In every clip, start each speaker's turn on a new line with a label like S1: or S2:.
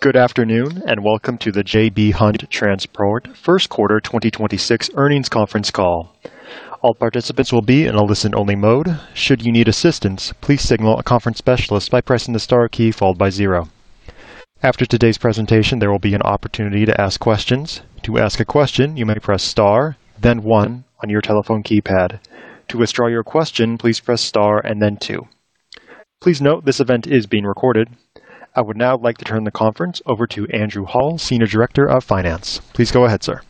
S1: Good afternoon, and welcome to the J.B. Hunt Transport first quarter 2026 earnings conference call. All participants will be in a listen-only mode. Should you need assistance, please signal a conference specialist by pressing the star key followed by zero. After today's presentation, there will be an opportunity to ask questions. To ask a question, you may press star, then one on your telephone keypad. To withdraw your question, please press star and then two. Please note this event is being recorded. I would now like to turn the conference over to Andrew Hall, Senior Director of Finance. Please go ahead, sir.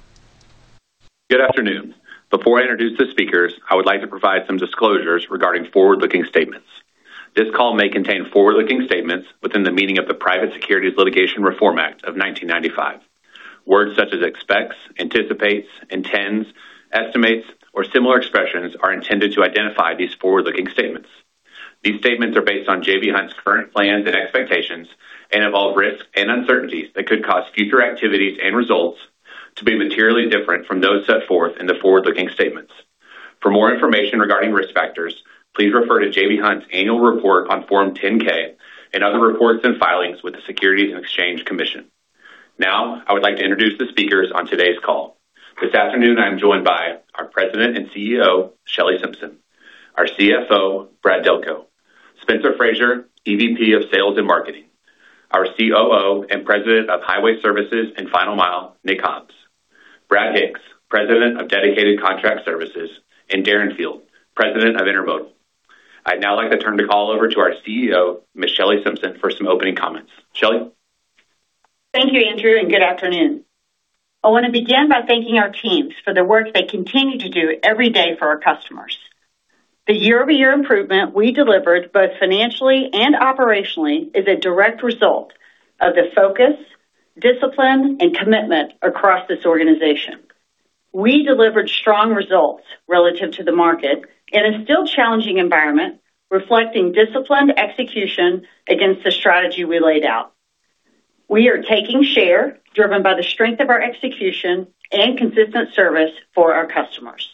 S2: Good afternoon. Before I introduce the speakers, I would like to provide some disclosures regarding forward-looking statements. This call may contain forward-looking statements within the meaning of the Private Securities Litigation Reform Act of 1995. Words such as expects, anticipates, intends, estimates, or similar expressions are intended to identify these forward-looking statements. These statements are based on J.B. Hunt's current plans and expectations and involve risks and uncertainties that could cause future activities and results to be materially different from those set forth in the forward-looking statements. For more information regarding risk factors, please refer to J.B. Hunt's annual report on Form 10-K and other reports and filings with the Securities and Exchange Commission. Now, I would like to introduce the speakers on today's call. This afternoon, I am joined by our President and CEO, Shelley Simpson, our CFO, Brad Delco, Spencer Frazier, EVP of Sales and Marketing, our COO and President of Highway Services and Final Mile, Nick Hobbs, Brad Hicks, President of Dedicated Contract Services, and Darren Field, President of Intermodal. I'd now like to turn the call over to our CEO, Ms. Shelley Simpson, for some opening comments. Shelley?
S3: Thank you, Andrew, and good afternoon. I want to begin by thanking our teams for the work they continue to do every day for our customers. The year-over-year improvement we delivered, both financially and operationally, is a direct result of the focus, discipline, and commitment across this organization. We delivered strong results relative to the market in a still challenging environment, reflecting disciplined execution against the strategy we laid out. We are taking share driven by the strength of our execution and consistent service for our customers.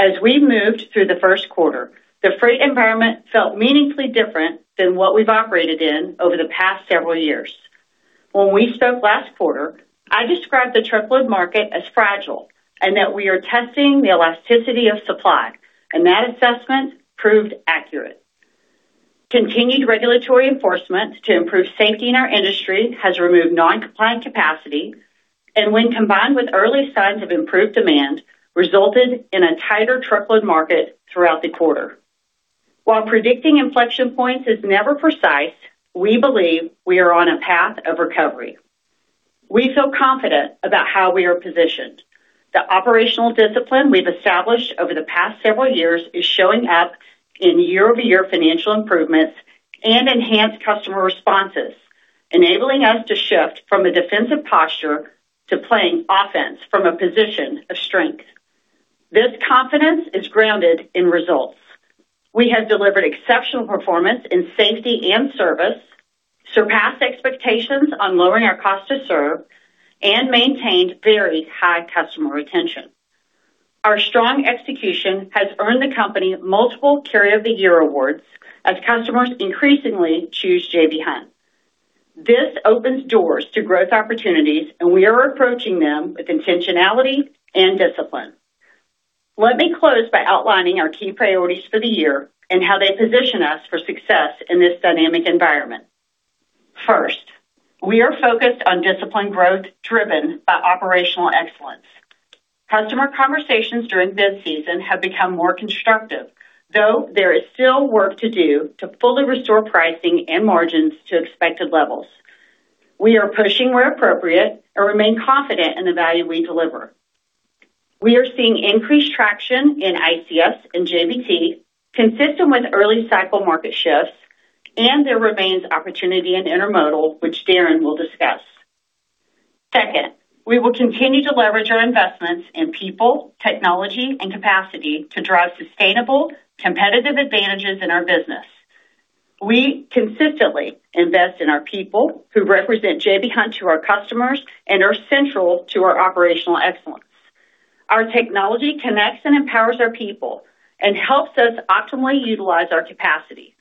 S3: As we moved through the first quarter, the freight environment felt meaningfully different than what we've operated in over the past several years. When we spoke last quarter, I described the truckload market as fragile and that we are testing the elasticity of supply, and that assessment proved accurate. Continued regulatory enforcement to improve safety in our industry has removed non-compliant capacity, and when combined with early signs of improved demand, resulted in a tighter truckload market throughout the quarter. While predicting inflection points is never precise, we believe we are on a path of recovery. We feel confident about how we are positioned. The operational discipline we've established over the past several years is showing up in year-over-year financial improvements and enhanced customer responses, enabling us to shift from a defensive posture to playing offense from a position of strength. This confidence is grounded in results. We have delivered exceptional performance in safety and service, surpassed expectations on lowering our cost to serve, and maintained very high customer retention. Our strong execution has earned the company multiple Carrier of the Year awards as customers increasingly choose J.B. Hunt. This opens doors to growth opportunities, and we are approaching them with intentionality and discipline. Let me close by outlining our key priorities for the year and how they position us for success in this dynamic environment. First, we are focused on disciplined growth driven by operational excellence. Customer conversations during this season have become more constructive. Though there is still work to do to fully restore pricing and margins to expected levels. We are pushing where appropriate and remain confident in the value we deliver. We are seeing increased traction in ICS and JBT consistent with early cycle market shifts, and there remains opportunity in intermodal, which Darren will discuss. Second, we will continue to leverage our investments in people, technology, and capacity to drive sustainable competitive advantages in our business. We consistently invest in our people who represent J.B. Hunt to our customers and are central to our operational excellence. Our technology connects and empowers our people and helps us optimally utilize our capacity,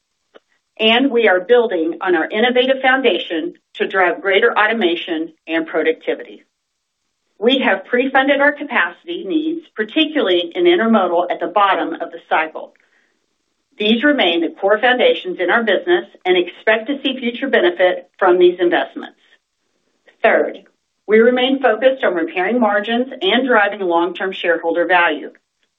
S3: and we are building on our innovative foundation to drive greater automation and productivity. We have pre-funded our capacity needs, particularly in intermodal, at the bottom of the cycle. These remain the core foundations in our business, and we expect to see future benefit from these investments. Third, we remain focused on repairing margins and driving long-term shareholder value.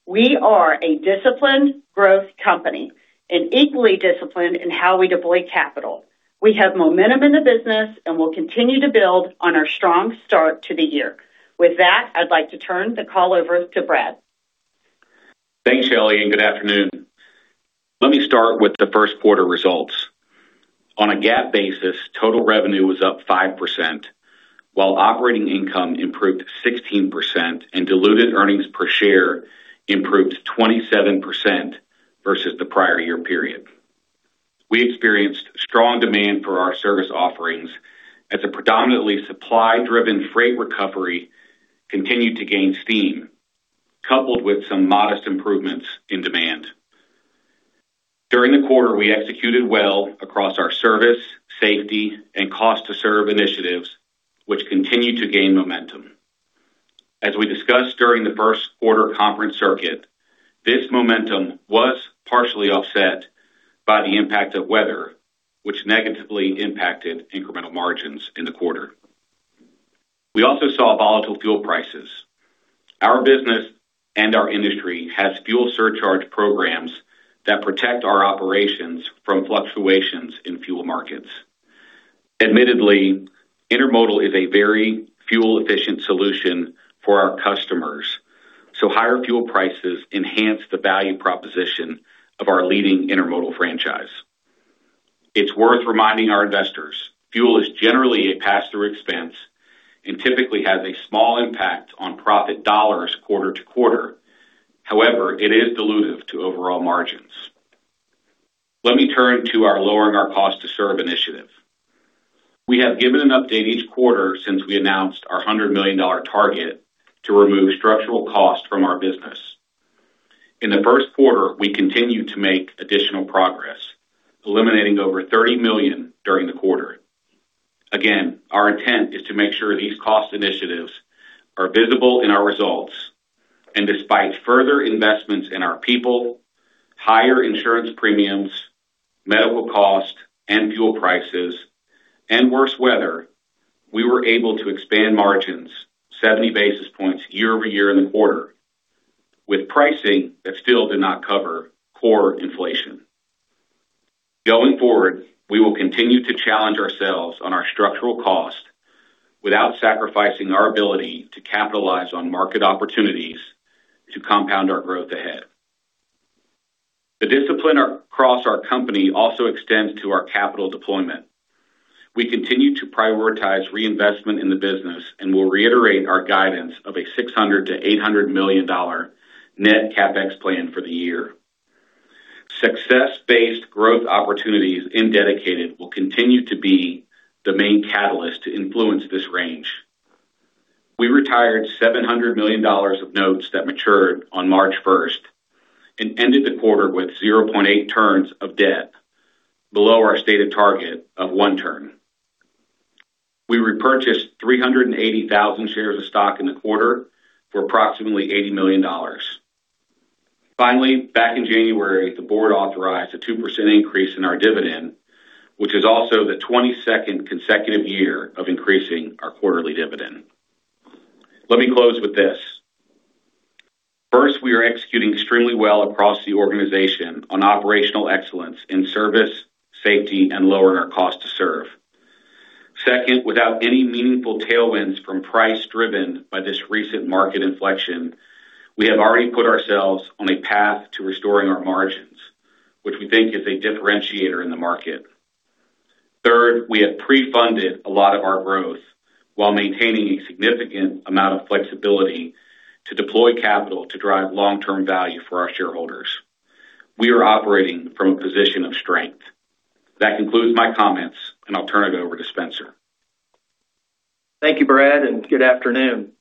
S3: We are a disciplined growth company and equally disciplined in how we deploy capital. We have momentum in the business and will continue to build on our strong start to the year. With that, I'd like to turn the call over to Brad.
S4: Thanks, Shelley, and good afternoon. Let me start with the first quarter results. On a GAAP basis, total revenue was up 5%, while operating income improved 16% and diluted earnings per share improved 27% versus the prior year period. We experienced strong demand for our service offerings as a predominantly supply-driven freight recovery continued to gain steam, coupled with some modest improvements in demand. In the quarter, we executed well across our service, safety, and cost to serve initiatives, which continue to gain momentum. As we discussed during the first quarter conference circuit, this momentum was partially offset by the impact of weather, which negatively impacted incremental margins in the quarter. We also saw volatile fuel prices. Our business and our industry has fuel surcharge programs that protect our operations from fluctuations in fuel markets. Admittedly, intermodal is a very fuel efficient solution for our customers, so higher fuel prices enhance the value proposition of our leading intermodal franchise. It's worth reminding our investors, fuel is generally a pass-through expense and typically has a small impact on profit dollars quarter to quarter. However, it is dilutive to overall margins. Let me turn to our lowering cost to serve initiative. We have given an update each quarter since we announced our $100 million target to remove structural costs from our business. In the first quarter, we continued to make additional progress, eliminating over $30 million during the quarter. Again, our intent is to make sure these cost initiatives are visible in our results, and despite further investments in our people, higher insurance premiums, medical costs, and fuel prices, and worse weather, we were able to expand margins 70 basis points year-over-year in the quarter, with pricing that still did not cover core inflation. Going forward, we will continue to challenge ourselves on our structural cost without sacrificing our ability to capitalize on market opportunities to compound our growth ahead. The discipline across our company also extends to our capital deployment. We continue to prioritize reinvestment in the business and will reiterate our guidance of a $600 million-$800 million net CapEx plan for the year. Success-based growth opportunities in dedicated will continue to be the main catalyst to influence this range. We retired $700 million of notes that matured on March 1st and ended the quarter with 0.8 turns of debt, below our stated target of one turn. We repurchased 380,000 shares of stock in the quarter for approximately $80 million. Finally, back in January, the board authorized a 2% increase in our dividend, which is also the 22nd consecutive year of increasing our quarterly dividend. Let me close with this. First, we are executing extremely well across the organization on operational excellence in service, safety, and lowering our cost to serve. Second, without any meaningful tailwinds from price driven by this recent market inflection, we have already put ourselves on a path to restoring our margins, which we think is a differentiator in the market. Third, we have pre-funded a lot of our growth while maintaining a significant amount of flexibility to deploy capital to drive long-term value for our shareholders. We are operating from a position of strength. That concludes my comments, and I'll turn it over to Spencer.
S5: Thank you, Brad, and good afternoon.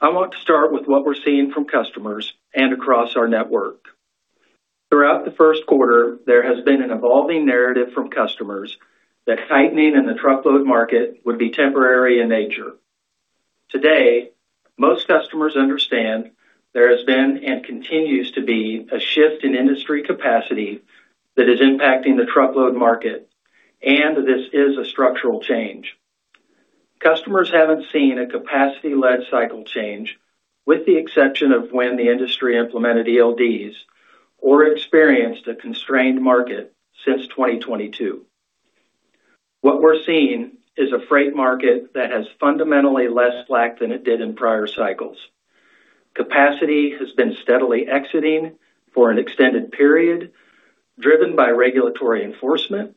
S5: I want to start with what we're seeing from customers and across our network. Throughout the first quarter, there has been an evolving narrative from customers that tightening in the truckload market would be temporary in nature. Today, most customers understand there has been, and continues to be, a shift in industry capacity that is impacting the truckload market, and this is a structural change. Customers haven't seen a capacity-led cycle change, with the exception of when the industry implemented ELDs or experienced a constrained market, since 2022. What we're seeing is a freight market that has fundamentally less slack than it did in prior cycles. Capacity has been steadily exiting for an extended period, driven by regulatory enforcement,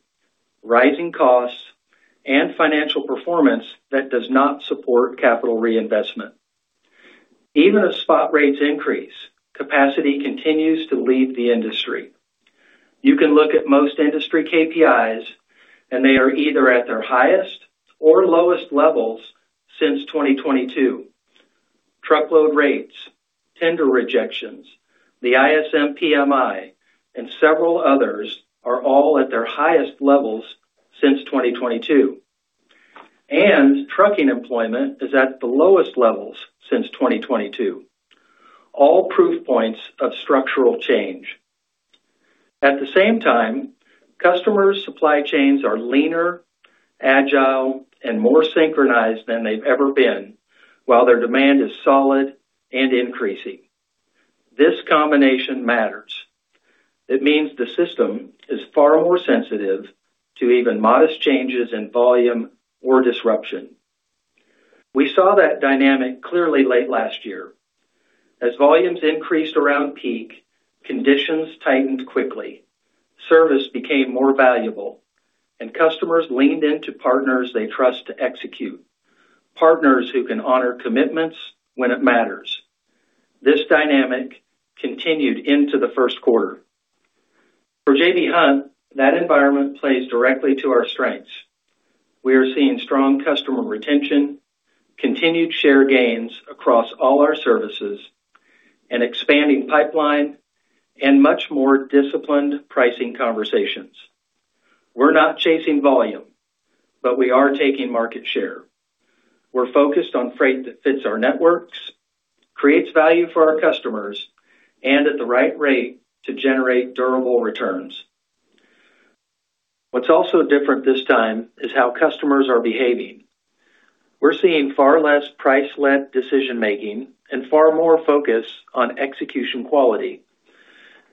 S5: rising costs, and financial performance that does not support capital reinvestment. Even as spot rates increase, capacity continues to leave the industry. You can look at most industry KPIs, and they are either at their highest or lowest levels since 2022. Truckload rates, tender rejections, the ISM PMI, and several others are all at their highest levels since 2022. Trucking employment is at the lowest levels since 2022. All proof points of structural change. At the same time, customers' supply chains are leaner, agile, and more synchronized than they've ever been, while their demand is solid and increasing. This combination matters. It means the system is far more sensitive to even modest changes in volume or disruption. We saw that dynamic clearly late last year. As volumes increased around peak, conditions tightened quickly, service became more valuable, and customers leaned into partners they trust to execute, partners who can honor commitments when it matters. This dynamic continued into the first quarter. For J.B. Hunt, that environment plays directly to our strengths. We are seeing strong customer retention, continued share gains across all our services, an expanding pipeline, and much more disciplined pricing conversations. We're not chasing volume, but we are taking market share. We're focused on freight that fits our networks, creates value for our customers, and at the right rate to generate durable returns. What's also different this time is how customers are behaving. We're seeing far less price-led decision making and far more focus on execution quality.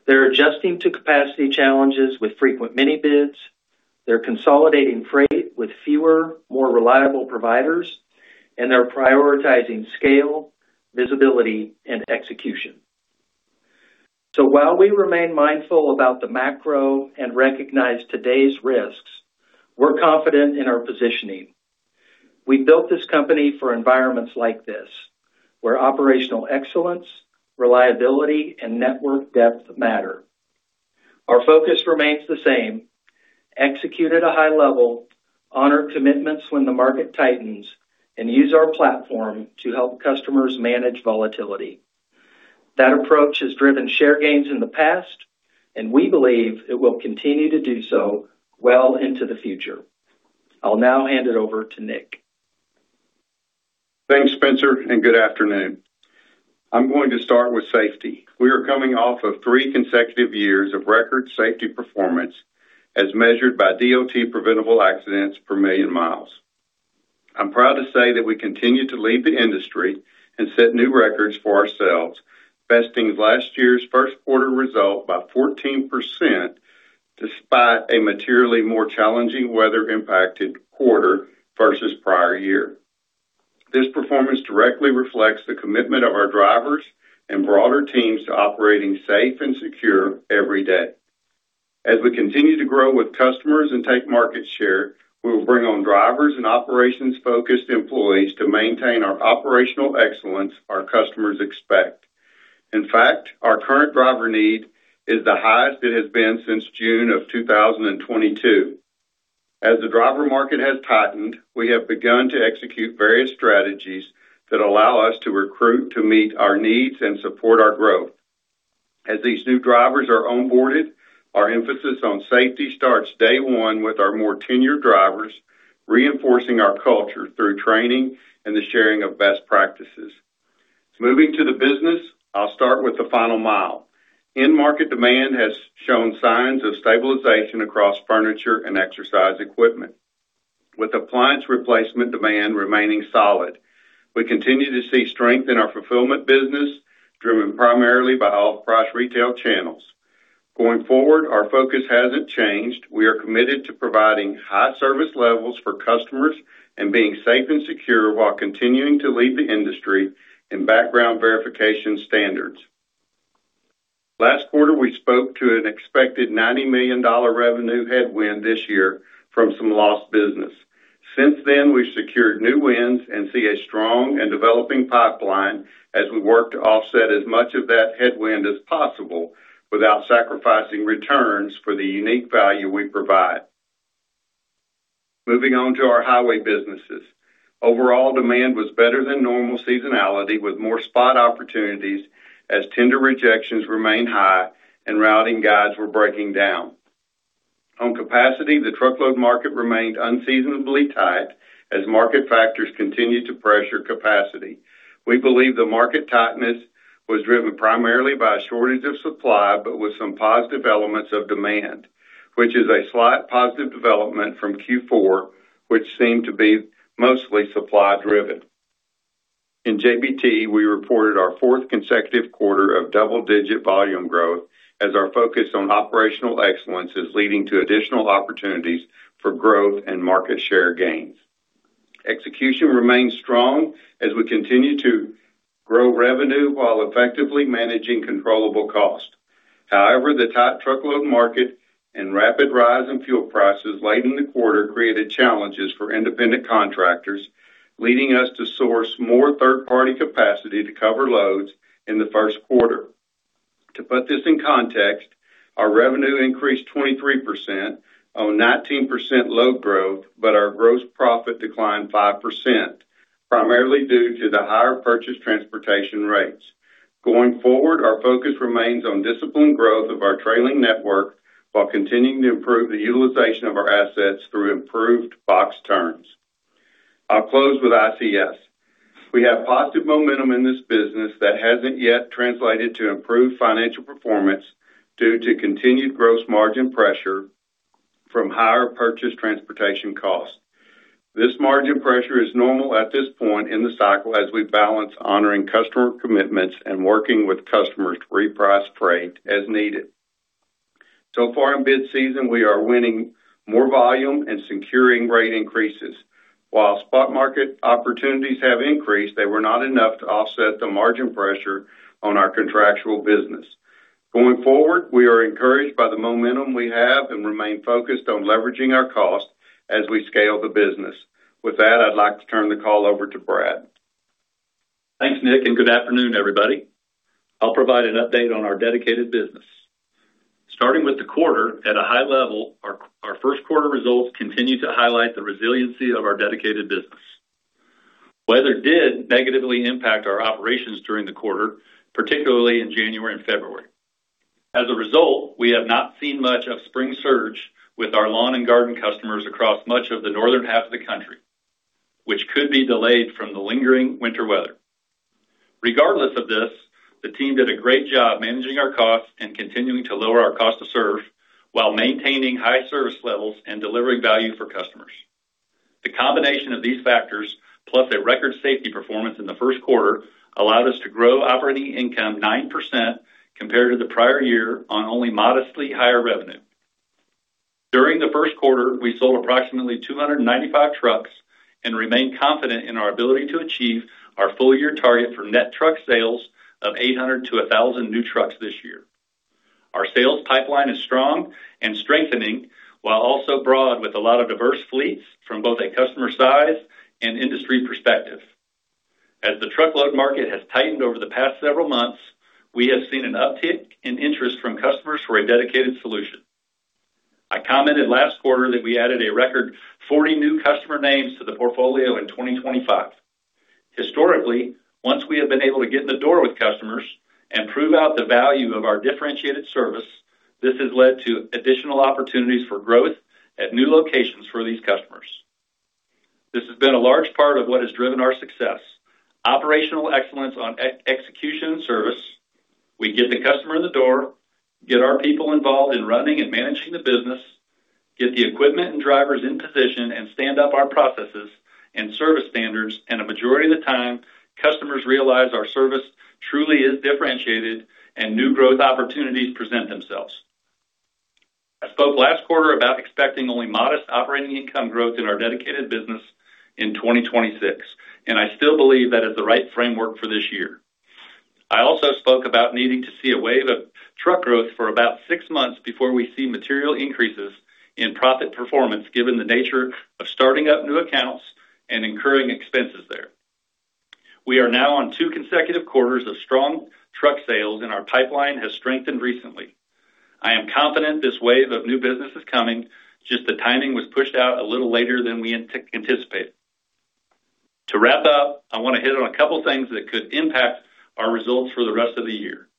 S5: They're adjusting to capacity challenges with frequent mini bids. They're consolidating freight with fewer, more reliable providers, and they're prioritizing scale, visibility, and execution. While we remain mindful about the macro and recognize today's risks, we're confident in our positioning. We built this company for environments like this, where operational excellence, reliability, and network depth matter. Our focus remains the same, execute at a high level, honor commitments when the market tightens, and use our platform to help customers manage volatility. That approach has driven share gains in the past, and we believe it will continue to do so well into the future. I'll now hand it over to Nick.
S6: Thanks, Spencer, and good afternoon. I'm going to start with safety. We are coming off of three consecutive years of record safety performance as measured by DOT preventable accidents per million miles. I'm proud to say that we continue to lead the industry and set new records for ourselves, besting last year's first quarter result by 14% despite a materially more challenging weather impacted quarter versus prior year. This performance directly reflects the commitment of our drivers and broader teams to operating safe and secure every day. As we continue to grow with customers and take market share, we will bring on drivers and operations-focused employees to maintain our operational excellence our customers expect. In fact, our current driver need is the highest it has been since June of 2022. As the driver market has tightened, we have begun to execute various strategies that allow us to recruit to meet our needs and support our growth. As these new drivers are onboarded, our emphasis on safety starts day one with our more tenured drivers, reinforcing our culture through training and the sharing of best practices. Moving to the business, I'll start with the Final Mile. End market demand has shown signs of stabilization across furniture and exercise equipment. With appliance replacement demand remaining solid, we continue to see strength in our fulfillment business, driven primarily by off-price retail channels. Going forward, our focus hasn't changed. We are committed to providing high service levels for customers and being safe and secure while continuing to lead the industry in background verification standards. Last quarter, we spoke to an expected $90 million revenue headwind this year from some lost business. Since then, we've secured new wins and see a strong and developing pipeline as we work to offset as much of that headwind as possible without sacrificing returns for the unique value we provide. Moving on to our highway businesses. Overall demand was better than normal seasonality, with more spot opportunities as tender rejections remained high and routing guides were breaking down. On capacity, the truckload market remained unseasonably tight as market factors continued to pressure capacity. We believe the market tightness was driven primarily by a shortage of supply, but with some positive elements of demand, which is a slight positive development from Q4, which seemed to be mostly supply driven. In JBT, we reported our fourth consecutive quarter of double-digit volume growth as our focus on operational excellence is leading to additional opportunities for growth and market share gains. Execution remains strong as we continue to grow revenue while effectively managing controllable cost. However, the tight truckload market and rapid rise in fuel prices late in the quarter created challenges for independent contractors, leading us to source more third-party capacity to cover loads in the first quarter. To put this in context, our revenue increased 23% on 19% load growth, but our gross profit declined 5%, primarily due to the higher purchased transportation rates. Going forward, our focus remains on disciplined growth of our trailing network while continuing to improve the utilization of our assets through improved box turns. I'll close with ICS. We have positive momentum in this business that hasn't yet translated to improved financial performance due to continued gross margin pressure from higher purchased transportation costs. This margin pressure is normal at this point in the cycle as we balance honoring customer commitments and working with customers to reprice freight as needed. So far in bid season, we are winning more volume and securing rate increases. While spot market opportunities have increased, they were not enough to offset the margin pressure on our contractual business. Going forward, we are encouraged by the momentum we have and remain focused on leveraging our cost as we scale the business. With that, I'd like to turn the call over to Brad.
S7: Thanks, Nick, and good afternoon, everybody. I'll provide an update on our dedicated business. Starting with the quarter, at a high level, our first quarter results continue to highlight the resiliency of our dedicated business. Weather did negatively impact our operations during the quarter, particularly in January and February. As a result, we have not seen much of spring surge with our lawn and garden customers across much of the northern half of the country, which could be delayed from the lingering winter weather. Regardless of this, the team did a great job managing our costs and continuing to lower our cost to serve while maintaining high service levels and delivering value for customers. The combination of these factors, plus a record safety performance in the first quarter, allowed us to grow operating income 9% compared to the prior year on only modestly higher revenue. During the first quarter, we sold approximately 295 trucks and remain confident in our ability to achieve our full year target for net truck sales of 800-1,000 new trucks this year. Our sales pipeline is strong and strengthening while also broad with a lot of diverse fleets from both a customer size and industry perspective. As the truckload market has tightened over the past several months, we have seen an uptick in interest from customers for a dedicated solution. I commented last quarter that we added a record 40 new customer names to the portfolio in 2025. Historically, once we have been able to get in the door with customers and prove out the value of our differentiated service, this has led to additional opportunities for growth at new locations for these customers. This has been a large part of what has driven our success. Operational excellence on execution and service. We get the customer in the door, get our people involved in running and managing the business, get the equipment and drivers in position, and stand up our processes and service standards, and a majority of the time, customers realize our service truly is differentiated and new growth opportunities present themselves. I spoke last quarter about expecting only modest operating income growth in our dedicated business in 2026, and I still believe that is the right framework for this year. I also spoke about needing to see a wave of truck growth for about six months before we see material increases in profit performance, given the nature of starting up new accounts and incurring expenses there. We are now on two consecutive quarters of strong truck sales and our pipeline has strengthened recently. I am confident this wave of new business is coming, just the timing was pushed out a little later than we anticipated. To wrap up, I want to hit on a couple things that could impact our results for the rest of the year.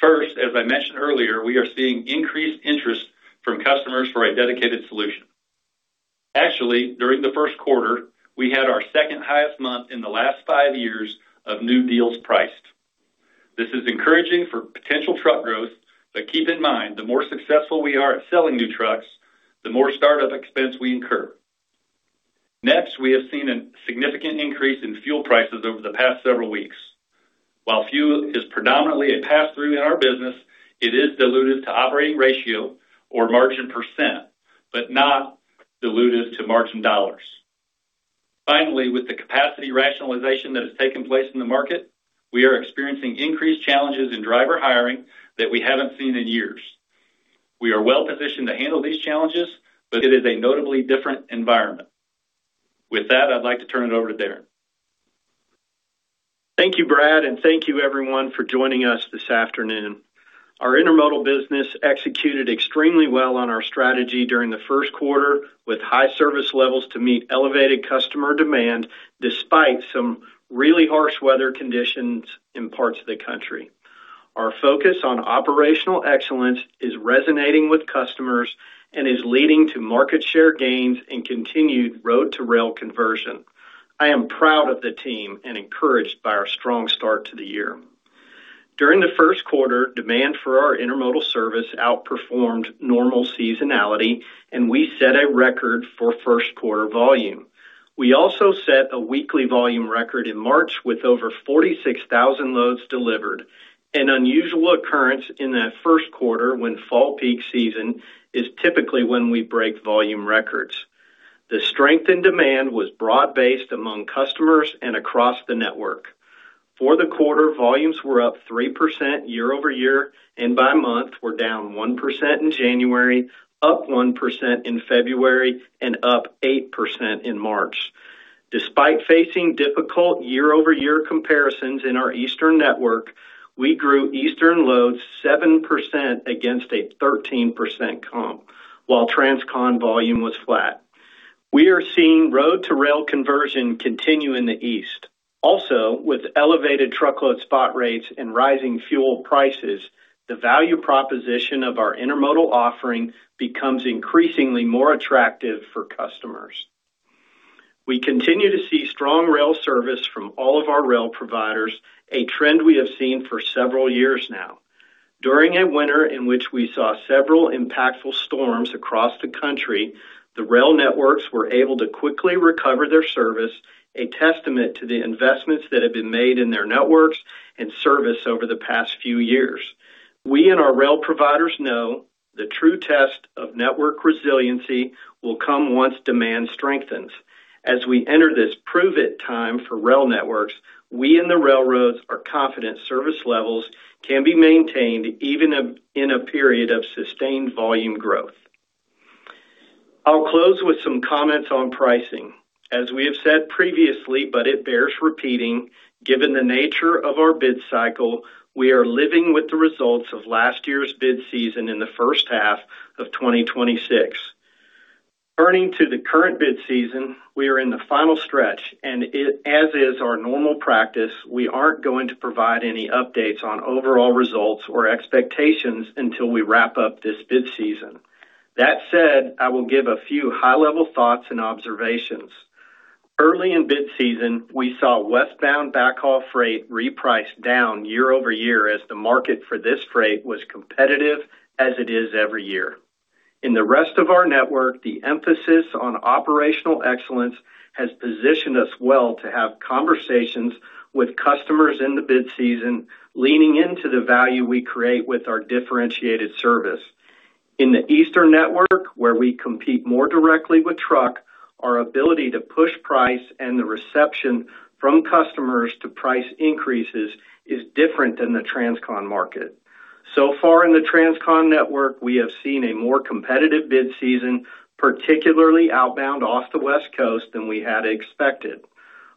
S7: First, as I mentioned earlier, we are seeing increased interest from customers for a dedicated solution. Actually, during the first quarter, we had our second highest month in the last five years of new deals priced. This is encouraging for potential truck growth, but keep in mind, the more successful we are at selling new trucks, the more startup expense we incur. Next, we have seen a significant increase in fuel prices over the past several weeks. While fuel is predominantly a pass-through in our business, it is dilutive to operating ratio or margin percent, but not dilutive to margin dollars. Finally, with the capacity rationalization that has taken place in the market, we are experiencing increased challenges in driver hiring that we haven't seen in years. We are well positioned to handle these challenges, but it is a notably different environment. With that, I'd like to turn it over to Darren.
S8: Thank you, Brad, and thank you everyone for joining us this afternoon. Our intermodal business executed extremely well on our strategy during the first quarter with high service levels to meet elevated customer demand, despite some really harsh weather conditions in parts of the country. Our focus on operational excellence is resonating with customers and is leading to market share gains and continued road to rail conversion. I am proud of the team and encouraged by our strong start to the year. During the first quarter, demand for our intermodal service outperformed normal seasonality, and we set a record for first quarter volume. We also set a weekly volume record in March with over 46,000 loads delivered, an unusual occurrence in that first quarter when fall peak season is typically when we break volume records. The strength in demand was broad-based among customers and across the network. For the quarter, volumes were up 3% year-over-year, and by month, were down 1% in January, up 1% in February, and up 8% in March. Despite facing difficult year-over-year comparisons in our Eastern network, we grew Eastern loads 7% against a 13% comp, while transcon volume was flat. We are seeing road to rail conversion continue in the East. Also, with elevated truckload spot rates and rising fuel prices, the value proposition of our intermodal offering becomes increasingly more attractive for customers. We continue to see strong rail service from all of our rail providers, a trend we have seen for several years now. During a winter in which we saw several impactful storms across the country, the rail networks were able to quickly recover their service, a testament to the investments that have been made in their networks and service over the past few years. We and our rail providers know the true test of network resiliency will come once demand strengthens. As we enter this prove it time for rail networks, we in the railroads are confident service levels can be maintained even in a period of sustained volume growth. I'll close with some comments on pricing. As we have said previously, but it bears repeating, given the nature of our bid cycle, we are living with the results of last year's bid season in the first half of 2026. Turning to the current bid season, we are in the final stretch, and as is our normal practice, we aren't going to provide any updates on overall results or expectations until we wrap up this bid season. That said, I will give a few high-level thoughts and observations. Early in bid season, we saw westbound backhaul freight repriced down year-over-year as the market for this freight was competitive as it is every year. In the rest of our network, the emphasis on operational excellence has positioned us well to have conversations with customers in the bid season, leaning into the value we create with our differentiated service. In the eastern network, where we compete more directly with truck, our ability to push price and the reception from customers to price increases is different than the transcon market. So far in the transcon network, we have seen a more competitive bid season, particularly outbound off the West Coast, than we had expected.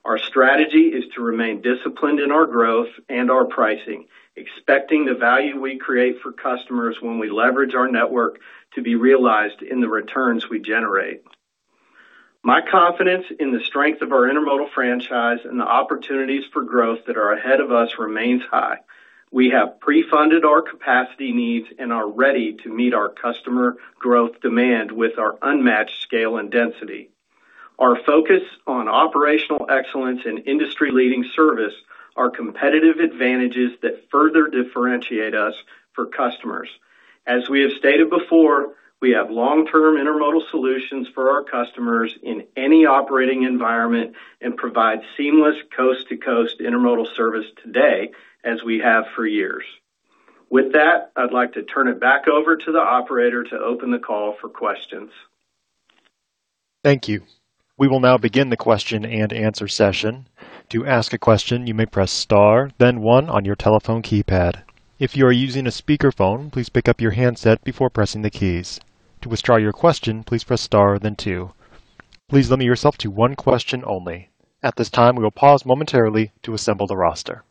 S8: Our strategy is to remain disciplined in our growth and our pricing, expecting the value we create for customers when we leverage our network to be realized in the returns we generate. My confidence in the strength of our intermodal franchise and the opportunities for growth that are ahead of us remains high. We have pre-funded our capacity needs and are ready to meet our customer growth demand with our unmatched scale and density. Our focus on operational excellence and industry leading service are competitive advantages that further differentiate us for customers. As we have stated before, we have long-term intermodal solutions for our customers in any operating environment and provide seamless coast-to-coast intermodal service today as we have for years. With that, I'd like to turn it back over to the operator to open the call for questions.
S1: Thank you. We will now begin the question and answer session. To ask a question, you may press star then one on your telephone keypad. If you are using a speakerphone, please pick up your handset before pressing the keys. To withdraw your question, please press star then two. Please limit yourself to one question only. At this time, we will pause momentarily to assemble the roster.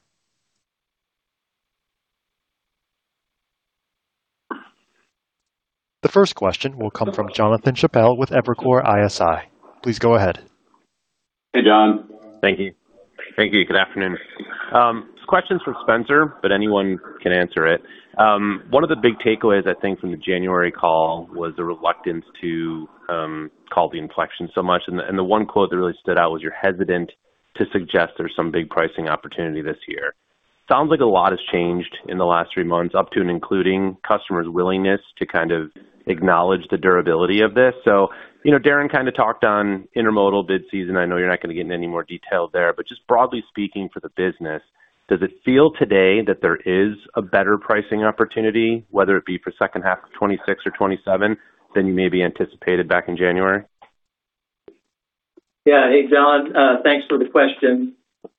S1: The first question will come from Jonathan Chappell with Evercore ISI. Please go ahead.
S4: Hey, John.
S9: Thank you. Good afternoon. This question is for Spencer, but anyone can answer it. One of the big takeaways, I think, from the January call was the reluctance to call the inflection so much, and the one quote that really stood out was you're hesitant to suggest there's some big pricing opportunity this year. Sounds like a lot has changed in the last three months up to and including customers' willingness to kind of acknowledge the durability of this. Darren kind of talked on intermodal bid season. I know you're not going to get in any more detail there, but just broadly speaking for the business, does it feel today that there is a better pricing opportunity, whether it be for second half of 2026 or 2027, than you maybe anticipated back in January?
S5: Yeah. Hey, John. Thanks for the question.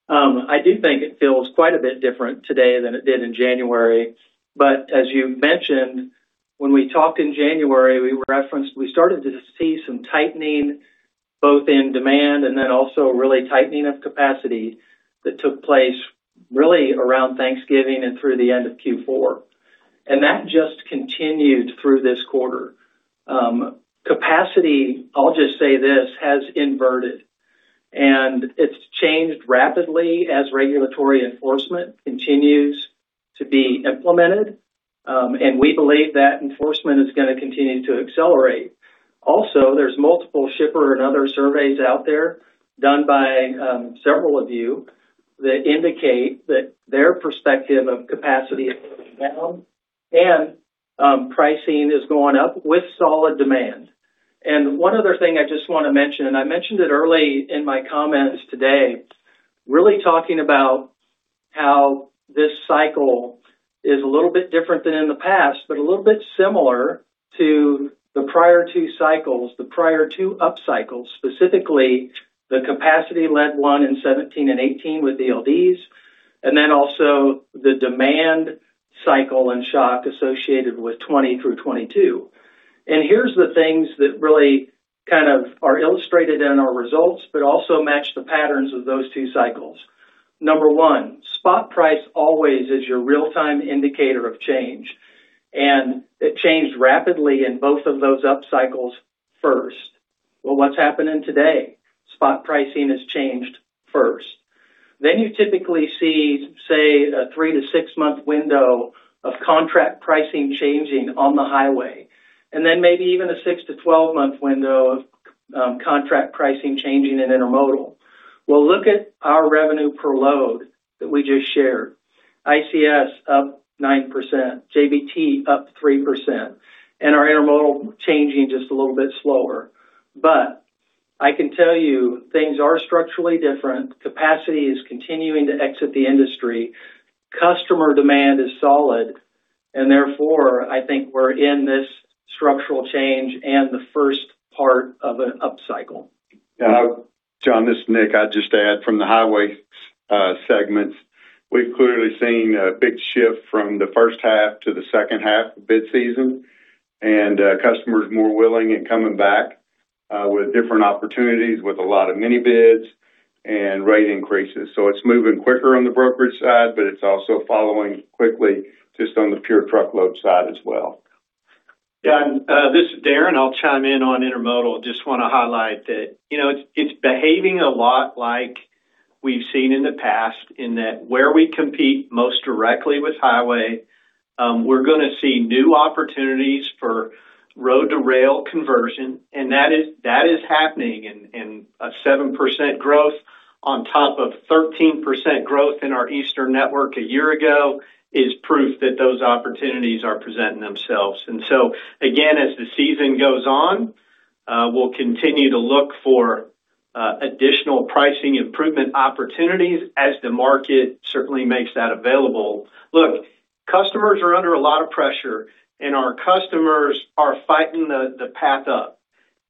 S5: I do think it feels quite a bit different today than it did in January. As you mentioned, when we talked in January, we started to see some tightening both in demand and then also really tightening of capacity that took place really around Thanksgiving and through the end of Q4. That just continued through this quarter. Capacity, I'll just say this, has inverted, and it's changed rapidly as regulatory enforcement continues to be implemented, and we believe that enforcement is going to continue to accelerate. Also, there's multiple shipper and other surveys out there done by several of you that indicate that their perspective of capacity is going down and pricing is going up with solid demand. One other thing I just want to mention, and I mentioned it early in my comments today, really talking about how this cycle is a little bit different than in the past, but a little bit similar to the prior two cycles, the prior two upcycles, specifically the capacity led one in 2017 and 2018 with the ELDs, and then also the demand cycle and shock associated with 2020 through 2022. Here's the things that really kind of are illustrated in our results but also match the patterns of those two cycles. One, spot price always is your real-time indicator of change, and it changed rapidly in both of those upcycles first. Well, what's happening today? Spot pricing has changed first. You typically see, say, a 3-6-month window of contract pricing changing on the highway, and then maybe even a 6-12-month window of contract pricing changing in intermodal. Well, look at our revenue per load that we just shared. ICS up 9%, JBT up 3%, and our intermodal changing just a little bit slower. I can tell you things are structurally different. Capacity is continuing to exit the industry. Customer demand is solid, and therefore, I think we're in this structural change and the first part of an upcycle.
S6: John, this is Nick. I'd just add from the Highway segment. We've clearly seen a big shift from the first half to the second half of bid season, and customers more willing and coming back, with different opportunities, with a lot of mini bids and rate increases. It's moving quicker on the brokerage side, but it's also following quickly just on the pure truckload side as well.
S8: Yeah. This is Darren. I'll chime in on intermodal. Just want to highlight that it's behaving a lot like we've seen in the past, in that where we compete most directly with highway, we're going to see new opportunities for road to rail conversion. That is happening in a 7% growth on top of 13% growth in our eastern network a year ago is proof that those opportunities are presenting themselves. Again, as the season goes on, we'll continue to look for additional pricing improvement opportunities as the market certainly makes that available. Look, customers are under a lot of pressure, and our customers are fighting the push up,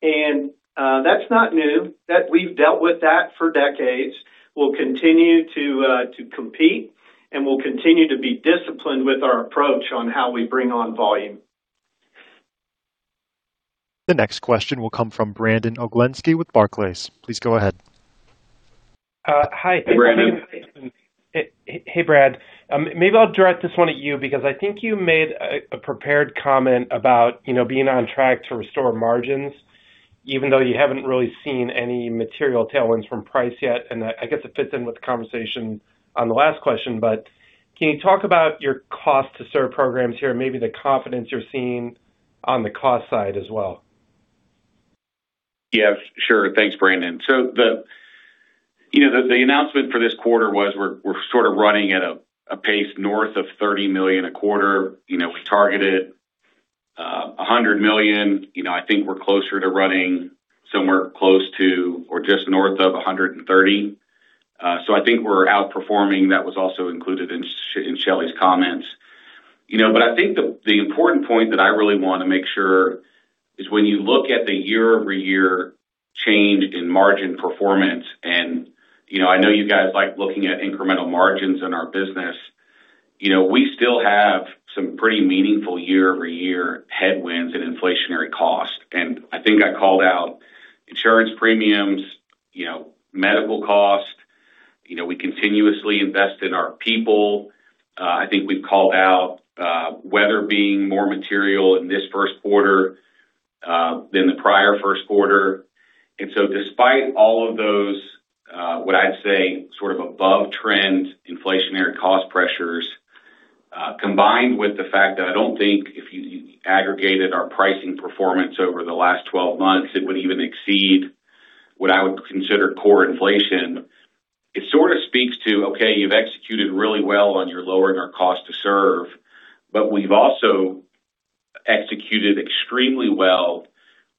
S8: and that's not new. We've dealt with that for decades. We'll continue to compete, and we'll continue to be disciplined with our approach on how we bring on volume.
S1: The next question will come from Brandon Oglenski with Barclays. Please go ahead.
S10: Hi.
S4: Hey, Brandon.
S10: Hey, Brad. Maybe I'll direct this one at you, because I think you made a prepared comment about being on track to restore margins, even though you haven't really seen any material tailwinds from price yet. I guess it fits in with the conversation on the last question, but can you talk about your cost to serve programs here, and maybe the confidence you're seeing on the cost side as well?
S4: Yeah, sure. Thanks, Brandon. The announcement for this quarter was we're sort of running at a pace north of $30 million a quarter. We targeted $100 million. I think we're closer to running somewhere close to or just north of $130. I think we're outperforming. That was also included in Shelley's comments. I think the important point that I really want to make sure is when you look at the year-over-year change in margin performance, and I know you guys like looking at incremental margins in our business. We still have some pretty meaningful year-over-year headwinds and inflationary costs. I think I called out insurance premiums, medical costs. We continuously invest in our people. I think we've called out weather being more material in this first quarter, than the prior first quarter. Despite all of those, what I'd say sort of above trend inflationary cost pressures, combined with the fact that I don't think if you aggregated our pricing performance over the last 12 months, it would even exceed what I would consider core inflation. It sort of speaks to, okay, you've executed really well on your lowering our cost to serve, but we've also executed extremely well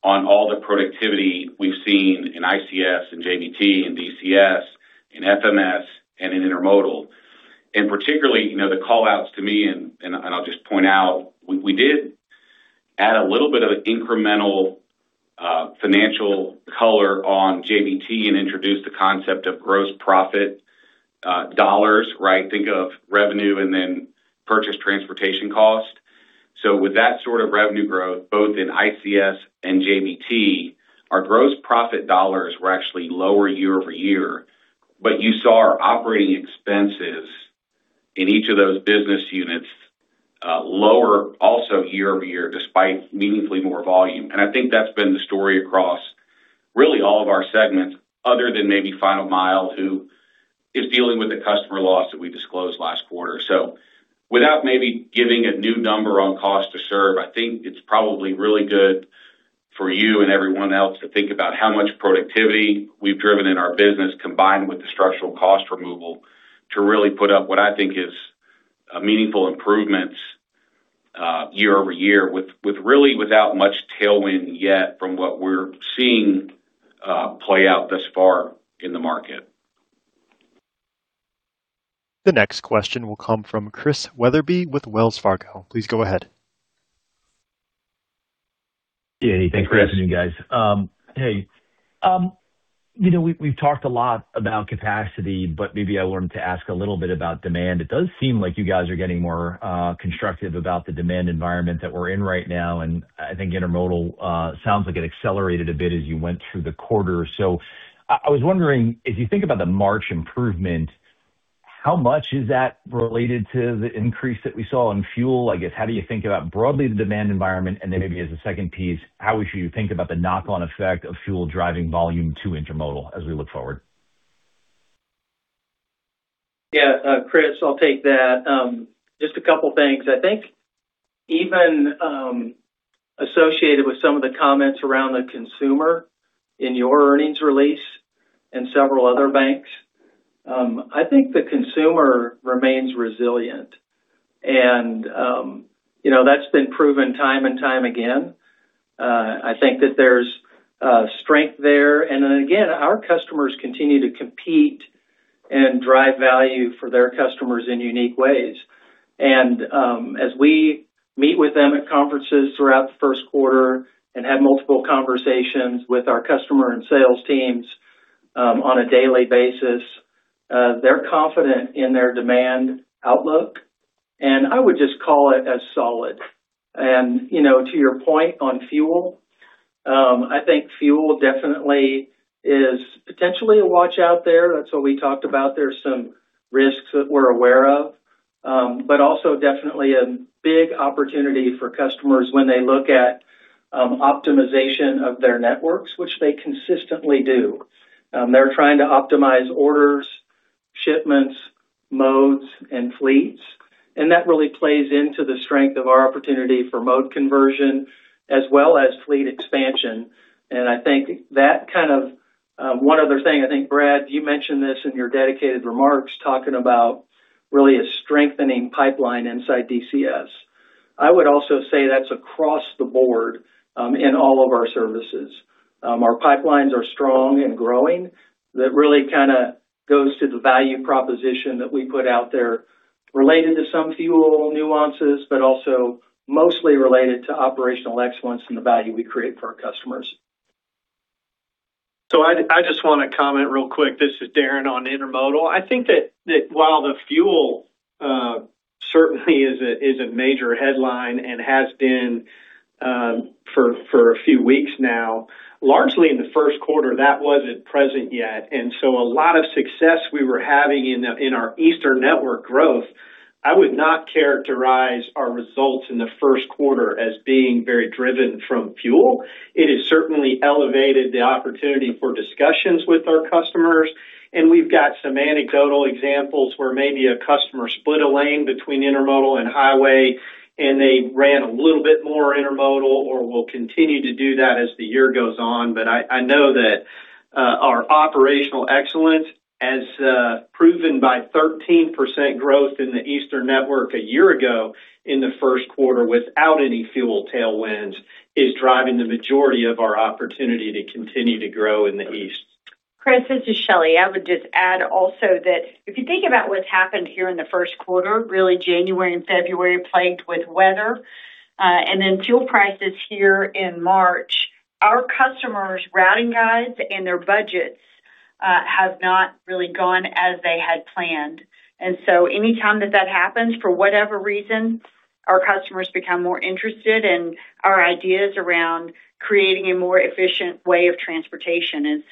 S4: on all the productivity we've seen in ICS and JBT and DCS, in FMS and in intermodal. Particularly, the callouts to me, and I'll just point out, we did add a little bit of incremental financial color on JBT and introduced the concept of gross profit dollars. Think of revenue and then purchased transportation cost. With that sort of revenue growth, both in ICS and JBT, our gross profit dollars were actually lower year over year. You saw our operating expenses in each of those business units lower also year-over-year, despite meaningfully more volume. I think that's been the story across really all of our segments other than maybe final mile, who is dealing with the customer loss that we disclosed last quarter. Without maybe giving a new number on cost to serve, I think it's probably really good for you and everyone else to think about how much productivity we've driven in our business, combined with the structural cost removal, to really put up what I think is a meaningful improvements year-over-year, with really without much tailwind yet from what we're seeing play out thus far in the market.
S1: The next question will come from Chris Wetherbee with Wells Fargo. Please go ahead.
S11: Yeah. Thanks for asking, guys. Hey. We've talked a lot about capacity, but maybe I wanted to ask a little bit about demand. It does seem like you guys are getting more constructive about the demand environment that we're in right now. I think intermodal sounds like it accelerated a bit as you went through the quarter. I was wondering, as you think about the March improvement, how much is that related to the increase that we saw in fuel? I guess, how do you think about broadly the demand environment? Then maybe as a second piece, how we should think about the knock on effect of fuel driving volume to intermodal as we look forward?
S5: Yeah, Chris, I'll take that. Just a couple things. I think even associated with some of the comments around the consumer in your earnings release and several other banks. I think the consumer remains resilient, and that's been proven time and time again. I think that there's strength there. Then again, our customers continue to compete and drive value for their customers in unique ways. As we meet with them at conferences throughout the first quarter and have multiple conversations with our customer and sales teams on a daily basis, they're confident in their demand outlook, and I would just call it as solid. To your point on fuel, I think fuel definitely is potentially a watch out there. That's what we talked about. There's some risks that we're aware of, but also definitely a big opportunity for customers when they look at optimization of their networks, which they consistently do. They're trying to optimize orders, shipments, modes, and fleets, and that really plays into the strength of our opportunity for mode conversion as well as fleet expansion. I think one other thing, Brad, you mentioned this in your dedicated remarks, talking about really a strengthening pipeline inside DCS. I would also say that's across the board in all of our services. Our pipelines are strong and growing. That really goes to the value proposition that we put out there related to some fuel nuances, but also mostly related to operational excellence and the value we create for our customers.
S8: I just want to comment real quick. This is Darren on intermodal. I think that while the fuel certainly is a major headline and has been for a few weeks now, largely in the first quarter, that wasn't present yet. A lot of success we were having in our Eastern network growth, I would not characterize our results in the first quarter as being very driven from fuel. It has certainly elevated the opportunity for discussions with our customers, and we've got some anecdotal examples where maybe a customer split a lane between intermodal and highway, and they ran a little bit more intermodal or will continue to do that as the year goes on. I know that our operational excellence, as proven by 13% growth in the Eastern network a year ago in the first quarter without any fuel tailwinds, is driving the majority of our opportunity to continue to grow in the East.
S3: Chris, this is Shelley. I would just add also that if you think about what's happened here in the first quarter, really January and February plagued with weather, and then fuel prices here in March, our customers' routing guides and their budgets have not really gone as they had planned. Anytime that that happens, for whatever reason, our customers become more interested in our ideas around creating a more efficient way of transportation.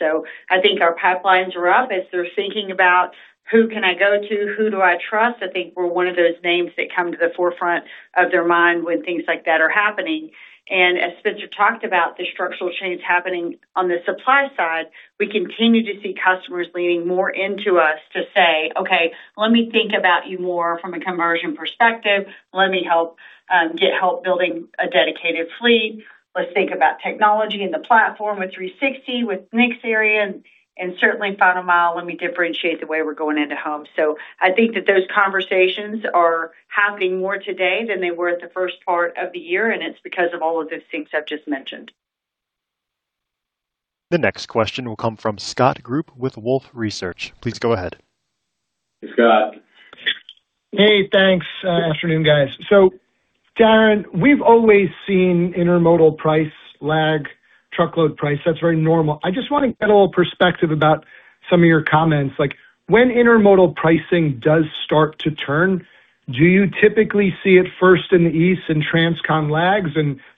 S3: I think our pipelines are up as they're thinking about who can I go to? Who do I trust? I think we're one of those names that come to the forefront of their mind when things like that are happening. As Spencer talked about, the structural change happening on the supply side, we continue to see customers leaning more into us to say, "Okay, let me think about you more from a conversion perspective. Let me get help building a dedicated fleet. Let's think about technology in the platform with 360, with [Nick's area], and certainly final mile. Let me differentiate the way we're going into home." I think that those conversations are happening more today than they were at the first part of the year, and it's because of all of the things I've just mentioned.
S1: The next question will come from Scott Group with Wolfe Research. Please go ahead.
S4: Scott.
S12: Hey, thanks. Afternoon, guys. Darren, we've always seen intermodal price lag truckload price. That's very normal. I just want to get a little perspective about some of your comments, like when intermodal pricing does start to turn, do you typically see it first in the East and transcon lags?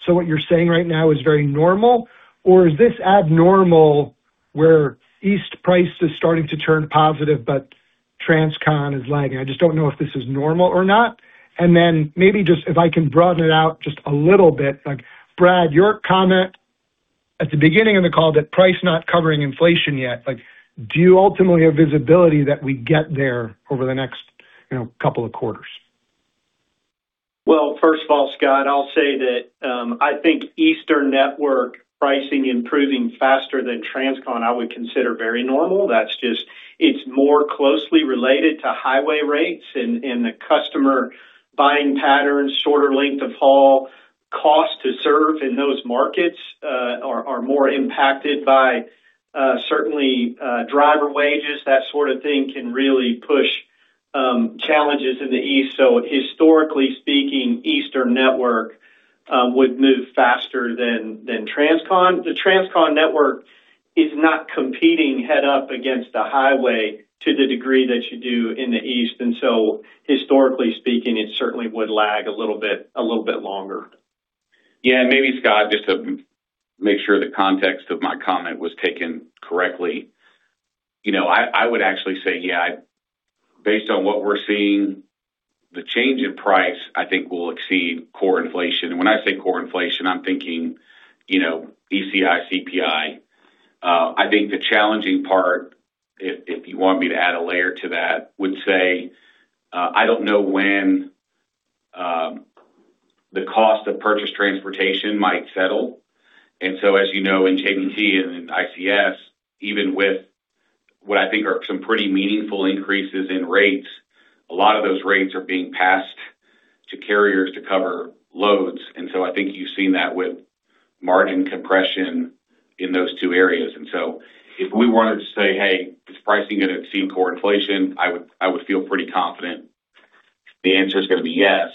S12: What you're saying right now is very normal, or is this abnormal where East price is starting to turn positive, but transcon is lagging? I just don't know if this is normal or not. Maybe just if I can broaden it out just a little bit, Brad, your comment at the beginning of the call that price not covering inflation yet, do you ultimately have visibility that we get there over the next couple of quarters?
S8: Well, first of all, Scott, I'll say that, I think Eastern network pricing improving faster than transcon, I would consider very normal. That's just. It's more closely related to highway rates and the customer buying patterns, shorter length of haul, cost to serve in those markets are more impacted by, certainly, driver wages. That sort of thing can really push challenges in the East. Historically speaking, Eastern network would move faster than transcon. The transcon network is not competing head-to-head against the highway to the degree that you do in the East, and so historically speaking, it certainly would lag a little bit longer.
S4: Yeah. Maybe, Scott, just to make sure the context of my comment was taken correctly. I would actually say, yeah, based on what we're seeing, the change in price, I think, will exceed core inflation. When I say core inflation, I'm thinking ECI, CPI. I think the challenging part, if you want me to add a layer to that, would say, I don't know when the cost of purchased transportation might settle. As you know, in JBT and in ICS, even with what I think are some pretty meaningful increases in rates, a lot of those rates are being passed to carriers to cover loads, and so I think you've seen that with margin compression in those two areas. If we wanted to say, "Hey, is pricing going to exceed core inflation?" I would feel pretty confident the answer's going to be yes.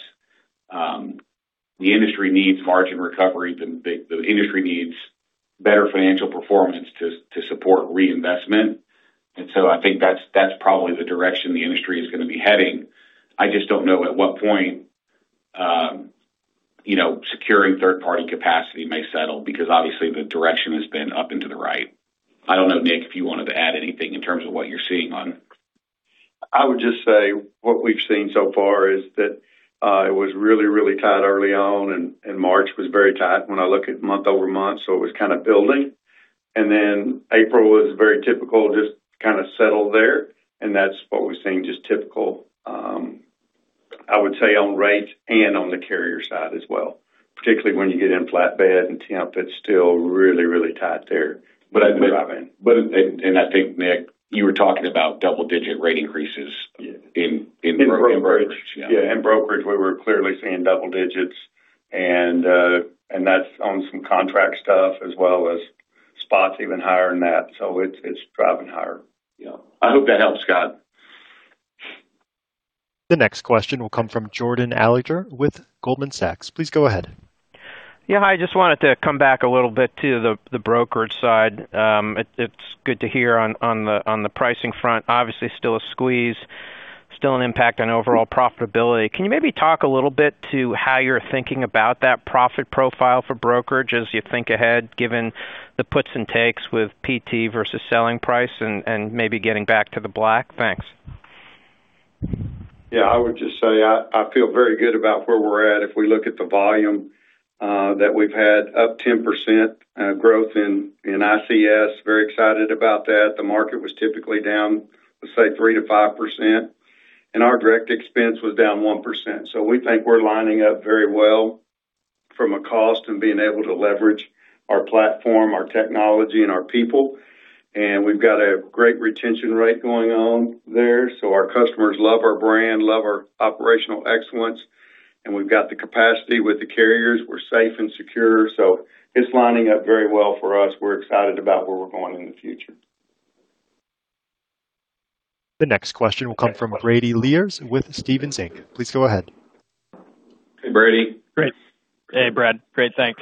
S4: The industry needs margin recovery. The industry needs better financial performance to support reinvestment, and so I think that's probably the direction the industry is going to be heading. I just don't know at what point securing third-party capacity may settle, because obviously the direction has been up and to the right. I don't know, Nick, if you wanted to add anything in terms of what you're seeing on.
S6: I would just say what we've seen so far is that, it was really, really tight early on, and March was very tight when I look at month-over-month, so it was kind of building. April was very typical, just kind of settled there, and that's what we're seeing, just typical, I would say, on rates and on the carrier side as well. Particularly when you get in flatbed and temp, it's still really, really tight there.
S4: I think, Nick, you were talking about double-digit rate increases.
S6: Yeah.
S4: In brokerage.
S6: In brokerage. Yeah, in brokerage, we were clearly seeing double digits, and that's on some contract stuff as well as spots, even higher than that, so it's driving higher.
S4: Yeah.
S6: I hope that helps, Scott.
S1: The next question will come from Jordan Alliger with Goldman Sachs. Please go ahead.
S13: Yeah. Hi, just wanted to come back a little bit to the brokerage side. It's good to hear on the pricing front, obviously still a squeeze, still an impact on overall profitability. Can you maybe talk a little bit to how you're thinking about that profit profile for brokerage as you think ahead, given the puts and takes with PT versus selling price and maybe getting back to the black? Thanks.
S6: Yeah. I would just say, I feel very good about where we're at. If we look at the volume, that we've had up 10% growth in ICS, very excited about that. The market was typically down, let's say 3%-5%, and our direct expense was down 1%. We think we're lining up very well from a cost and being able to leverage our platform, our technology, and our people. We've got a great retention rate going on there. Our customers love our brand, love our operational excellence, and we've got the capacity with the carriers. We're safe and secure, so it's lining up very well for us. We're excited about where we're going in the future.
S1: The next question will come from Brady Lierz with Stephens Inc. Please go ahead.
S4: Hey, Brady.
S14: Great. Hey, Brad. Great. Thanks.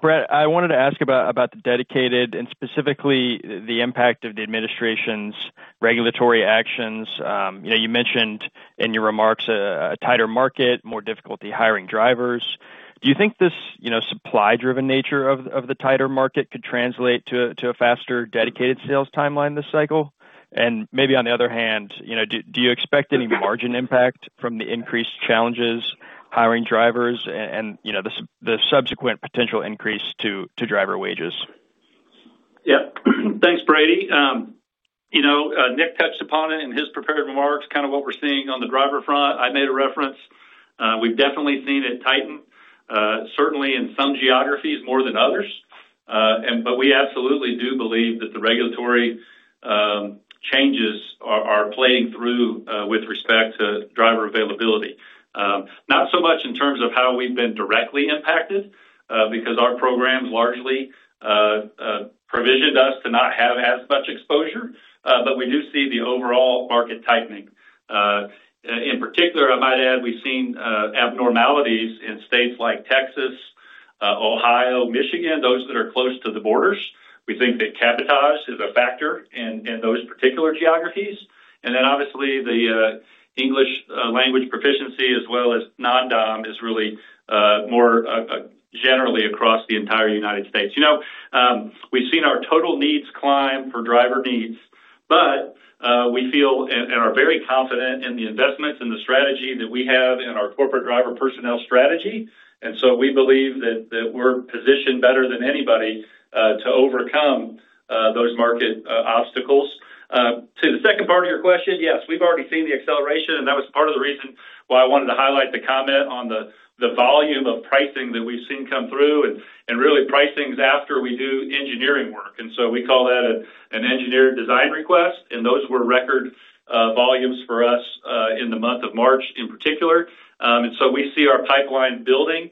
S14: Brad, I wanted to ask about the dedicated and specifically the impact of the administration's regulatory actions. You mentioned in your remarks a tighter market, more difficulty hiring drivers. Do you think this supply-driven nature of the tighter market could translate to a faster dedicated sales timeline this cycle? Maybe on the other hand, do you expect any margin impact from the increased challenges hiring drivers and the subsequent potential increase to driver wages?
S7: Yeah. Thanks, Brady. Nick touched upon it in his prepared remarks, kind of what we're seeing on the driver front. I made a reference. We've definitely seen it tighten, certainly in some geographies more than others. We absolutely do believe that the regulatory changes are playing through with respect to driver availability. Not so much in terms of how we've been directly impacted, because our programs largely provisioned us to not have as much exposure, but we do see the overall market tightening. In particular, I might add, we've seen abnormalities in states like Texas, Ohio, Michigan, those that are close to the borders. We think that cabotage is a factor in those particular geographies. Obviously, the English language proficiency as well as non-dom is really more generally across the entire United States. We've seen our total needs climb for driver needs, but we feel and are very confident in the investments and the strategy that we have in our corporate driver personnel strategy. We believe that we're positioned better than anybody to overcome those market obstacles. To the second part of your question, yes, we've already seen the acceleration, and that was part of the reason why I wanted to highlight the comment on the volume of pricing that we've seen come through and really pricings after we do engineering work. We call that an engineered design request, and those were record volumes for us, in the month of March, in particular. We see our pipeline building.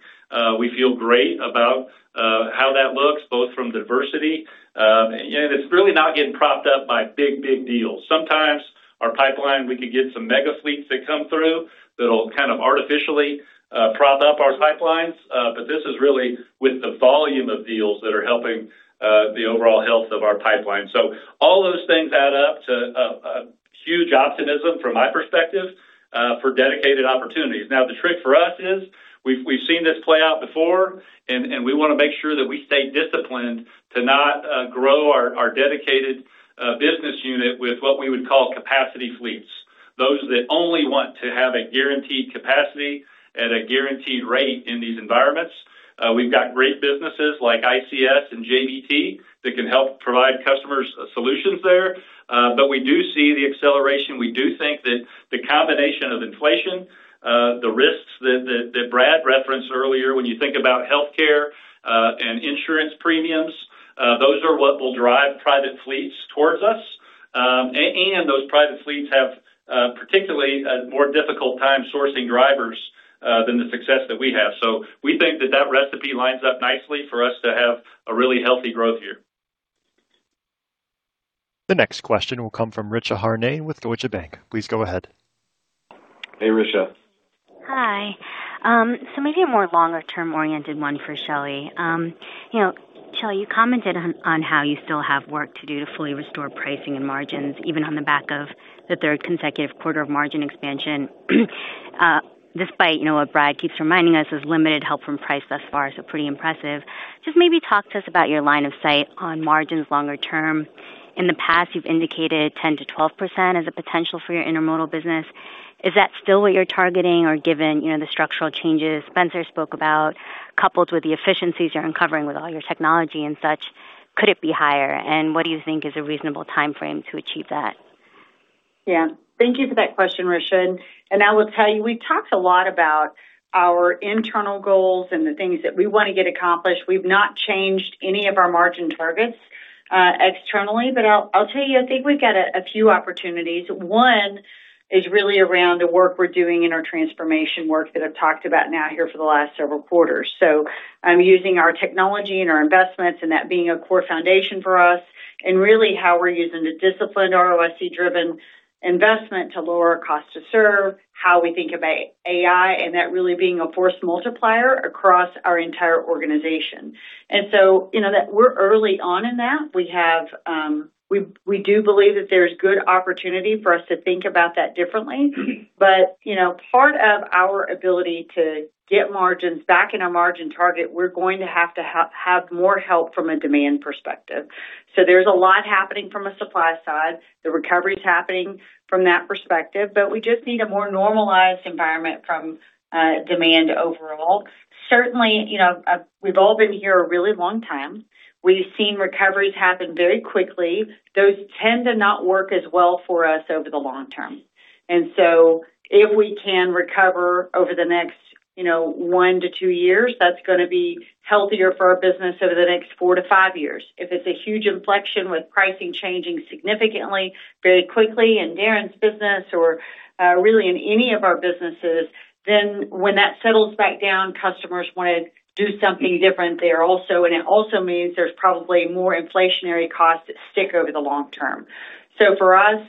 S7: We feel great about how that looks, both from diversity, and it's really not getting propped up by big, big deals. Sometimes our pipeline, we could get some mega fleets that come through that'll kind of artificially prop up our pipelines. This is really with the volume of deals that are helping the overall health of our pipeline. All those things add up to a huge optimism from my perspective, for dedicated opportunities. Now, the trick for us is we've seen this play out before, and we want to make sure that we stay disciplined to not grow our dedicated business unit with what we would call capacity fleets, those that only want to have a guaranteed capacity at a guaranteed rate in these environments. We've got great businesses like ICS and JBT that can help provide customers solutions there. We do see the acceleration. We do think that the combination of inflation, the risks that Brad referenced earlier, when you think about healthcare and insurance premiums, those are what will drive private fleets towards us. Those private fleets have particularly a more difficult time sourcing drivers than the success that we have. We think that recipe lines up nicely for us to have a really healthy growth year.
S1: The next question will come from Richa Harnain with Deutsche Bank. Please go ahead.
S4: Hey, Richa.
S15: Hi. Maybe a more longer term-oriented one for Shelley. Shelley, you commented on how you still have work to do to fully restore pricing and margins, even on the back of the third consecutive quarter of margin expansion, despite what Brad keeps reminding us is limited help from price thus far, so pretty impressive. Just maybe talk to us about your line of sight on margins longer term. In the past, you've indicated 10%-12% as a potential for your intermodal business. Is that still what you're targeting or given the structural changes Spencer spoke about, coupled with the efficiencies you're uncovering with all your technology and such, could it be higher? And what do you think is a reasonable timeframe to achieve that?
S3: Yeah. Thank you for that question, Richa. I will tell you, we've talked a lot about our internal goals and the things that we want to get accomplished. We've not changed any of our margin targets externally. I'll tell you, I think we've got a few opportunities. One is really around the work we're doing in our transformation work that I've talked about now here for the last several quarters. I'm using our technology and our investments, and that being a core foundation for us, and really how we're using the disciplined ROIC-driven investment to lower cost to serve, how we think about AI, and that really being a force multiplier across our entire organization. We're early on in that. We do believe that there's good opportunity for us to think about that differently. Part of our ability to get margins back in our margin target, we're going to have to have more help from a demand perspective. There's a lot happening from a supply side. The recovery is happening from that perspective, but we just need a more normalized environment from demand overall. Certainly, we've all been here a really long time. We've seen recoveries happen very quickly. Those tend to not work as well for us over the long term. If we can recover over the next one to two years, that's going to be healthier for our business over the next 4-5 years. If it's a huge inflection with pricing changing significantly very quickly in Darren's business or really in any of our businesses, then when that settles back down, customers want to do something different there also. It also means there's probably more inflationary costs that stick over the long term. For us,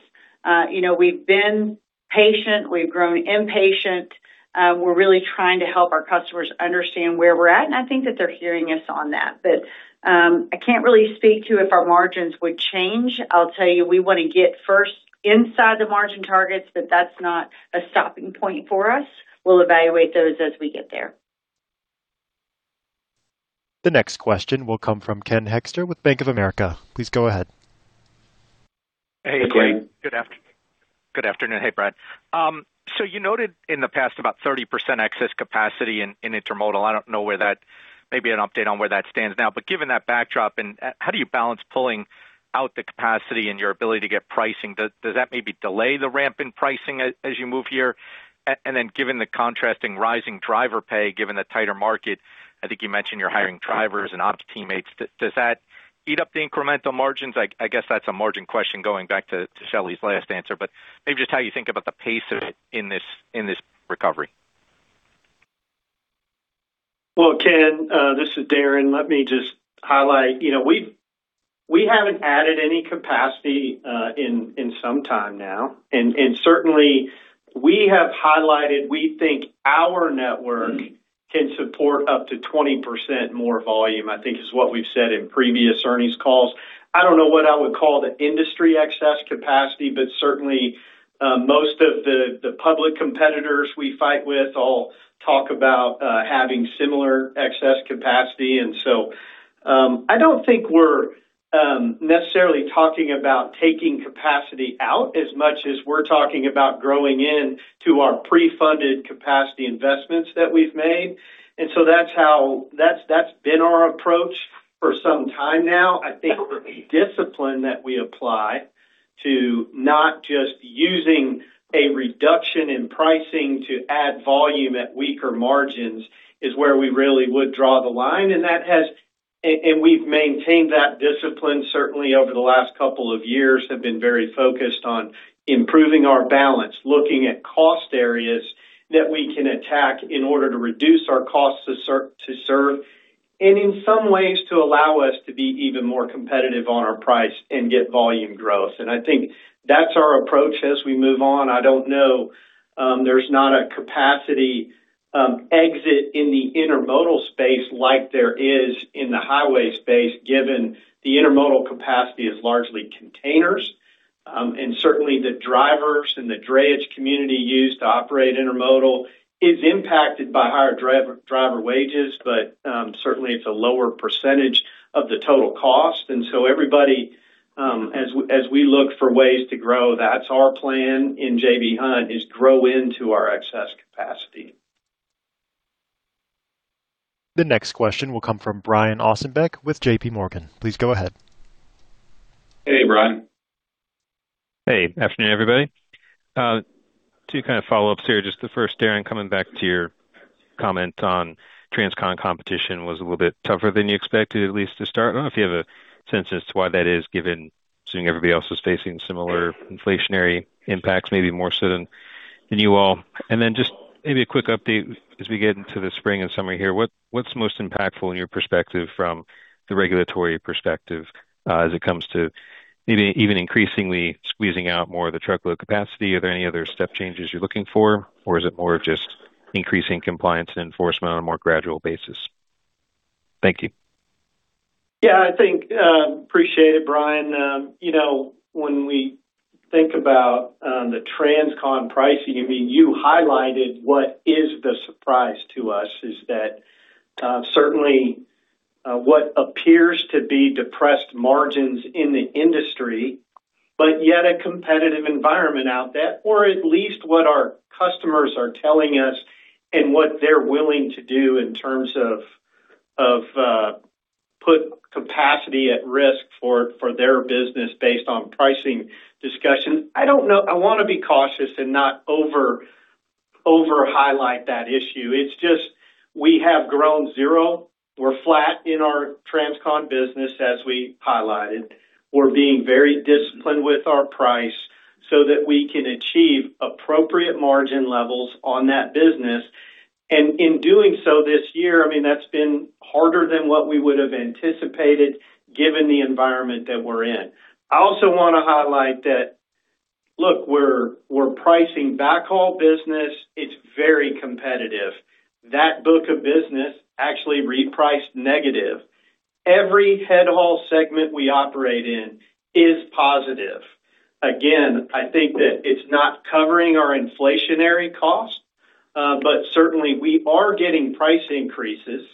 S3: we've been patient. We've grown impatient. We're really trying to help our customers understand where we're at, and I think that they're hearing us on that. I can't really speak to if our margins would change. I'll tell you, we want to get first inside the margin targets, but that's not a stopping point for us. We'll evaluate those as we get there.
S1: The next question will come from Ken Hoexter with Bank of America. Please go ahead.
S16: Hey.
S4: Hey.
S16: Good afternoon. Hey, Brad. You noted in the past about 30% excess capacity in intermodal. I don't know, maybe an update on where that stands now. Given that backdrop, how do you balance pulling out the capacity and your ability to get pricing? Does that maybe delay the ramp in pricing as you move here? Then given the contrasting rising driver pay, given the tighter market, I think you mentioned you're hiring drivers and ops teammates. Does that eat up the incremental margins? I guess that's a margin question going back to Shelley's last answer, but maybe just how you think about the pace of it in this recovery.
S8: Well, Ken, this is Darren. Let me just highlight. We haven't added any capacity in some time now, and certainly we have highlighted, we think our network can support up to 20% more volume, I think is what we've said in previous earnings calls. I don't know what I would call the industry excess capacity, but certainly most of the public competitors we fight with all talk about having similar excess capacity. I don't think we're necessarily talking about taking capacity out as much as we're talking about growing in to our pre-funded capacity investments that we've made. That's been our approach for some time now. I think the discipline that we apply to not just using a reduction in pricing to add volume at weaker margins is where we really would draw the line, and we've maintained that discipline, certainly over the last couple of years, have been very focused on improving our balance, looking at cost areas that we can attack in order to reduce our cost to serve, and in some ways, to allow us to be even more competitive on our price and get volume growth. I think that's our approach as we move on. I don't know, there's not a capacity exit in the intermodal space like there is in the highway space, given the intermodal capacity is largely containers. Certainly the drivers and the drayage community used to operate intermodal is impacted by higher driver wages, but certainly it's a lower percentage of the total cost. Everybody, as we look for ways to grow, that's our plan in J.B. Hunt, is grow into our excess capacity.
S1: The next question will come from Brian Ossenbeck with J.P. Morgan. Please go ahead.
S4: Hey, Brian.
S17: Hey. Afternoon, everybody. Two kind of follow-ups here. Just the first, Darren, coming back to your Comment on transcon competition was a little bit tougher than you expected, at least to start. I don't know if you have a sense as to why that is given, assuming everybody else is facing similar inflationary impacts, maybe more so than you all. Just maybe a quick update as we get into the spring and summer here. What's most impactful in your perspective from the regulatory perspective as it comes to maybe even increasingly squeezing out more of the truckload capacity? Are there any other step changes you're looking for? Or is it more of just increasing compliance and enforcement on a more gradual basis? Thank you.
S8: Yeah. Appreciate it, Brian. When we think about the transcon pricing, you highlighted what is the surprise to us is that certainly what appears to be depressed margins in the industry, but yet a competitive environment out there, or at least what our customers are telling us and what they're willing to do in terms of put capacity at risk for their business based on pricing discussion. I want to be cautious and not over-highlight that issue. It's just we have grown 0%. We're flat in our transcon business as we highlighted. We're being very disciplined with our price so that we can achieve appropriate margin levels on that business. In doing so this year, that's been harder than what we would have anticipated given the environment that we're in. I also want to highlight that, look, we're pricing backhaul business. It's very competitive. That book of business actually repriced negative. Every head-haul segment we operate in is positive. Again, I think that it's not covering our inflationary cost, but certainly we are getting price increases,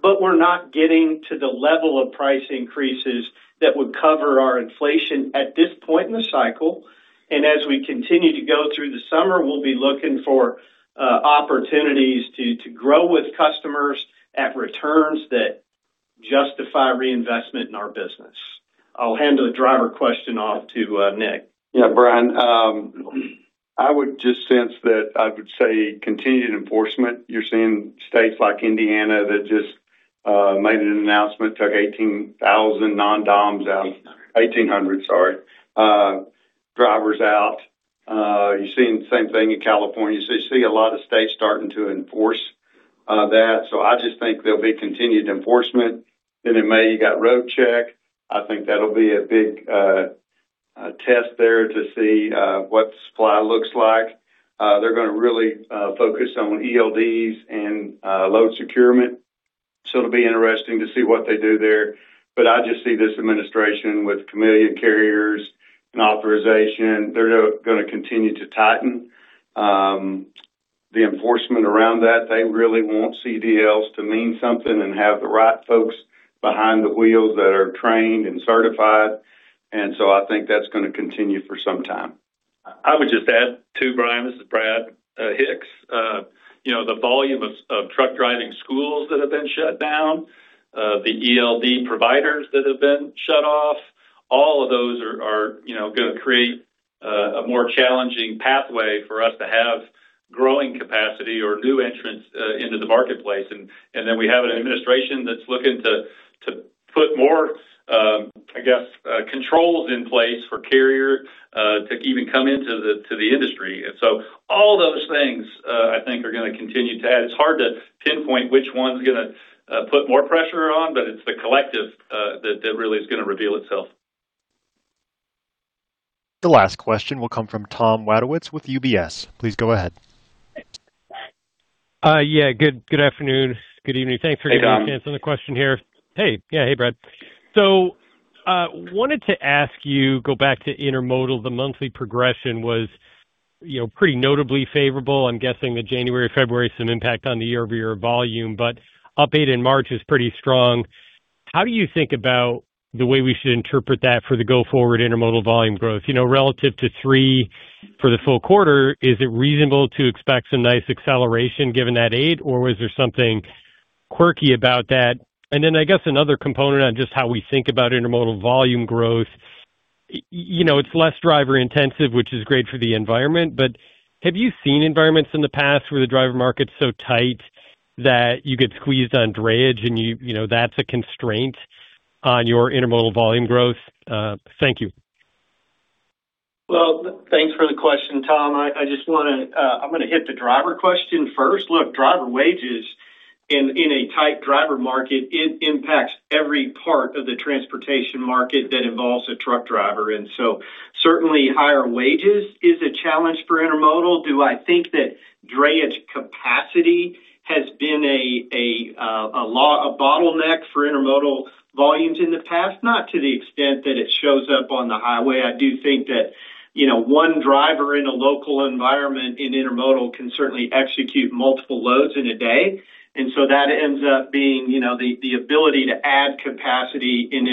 S8: but we're not getting to the level of price increases that would cover our inflation at this point in the cycle. As we continue to go through the summer, we'll be looking for opportunities to grow with customers at returns that justify reinvestment in our business. I'll hand the driver question off to Nick.
S6: Yeah, Brian, I would just say continued enforcement. You're seeing states like Indiana that just made an announcement, took 1,800 drivers out. You're seeing the same thing in California. You see a lot of states starting to enforce that. I just think there'll be continued enforcement. In May, you got Roadcheck. I think that'll be a big test there to see what supply looks like. They're going to really focus on ELDs and load securement. It'll be interesting to see what they do there. I just see this administration with chameleon carriers and authorization. They're going to continue to tighten the enforcement around that. They really want CDLs to mean something and have the right folks behind the wheels that are trained and certified. I think that's going to continue for some time.
S7: I would just add, too, Brian, this is Brad Hicks. The volume of truck driving schools that have been shut down, the ELD providers that have been shut off, all of those are going to create a more challenging pathway for us to have growing capacity or new entrants into the marketplace. We have an administration that's looking to put more, I guess, controls in place for carrier to even come into the industry. All those things, I think, are going to continue to add. It's hard to pinpoint which one's going to put more pressure on, but it's the collective that really is going to reveal itself.
S1: The last question will come from Tom Wadewitz with UBS. Please go ahead.
S18: Yeah. Good afternoon. Good evening.
S4: Hey, Tom.
S18: Thanks for the opportunity. Another question here. Hey. Yeah. Hey, Brad. Wanted to ask you, go back to intermodal. The monthly progression was pretty notably favorable. I'm guessing that January, February, some impact on the year-over-year volume, but update in March is pretty strong. How do you think about the way we should interpret that for the go-forward intermodal volume growth? Relative to 3% for the full quarter, is it reasonable to expect some nice acceleration given that aid, or was there something quirky about that? I guess another component on just how we think about intermodal volume growth, it's less driver-intensive, which is great for the environment, but have you seen environments in the past where the driver market's so tight that you get squeezed on drayage and that's a constraint on your intermodal volume growth? Thank you.
S8: Well, thanks for the question, Tom. I'm going to hit the driver question first. Look, driver wages in a tight driver market, it impacts every part of the transportation market that involves a truck driver in. Certainly higher wages is a challenge for intermodal. Do I think that drayage capacity has been a bottleneck for intermodal volumes in the past? Not to the extent that it shows up on the highway. I do think that one driver in a local environment in intermodal can certainly execute multiple loads in a day, and so that ends up being the ability to add capacity in the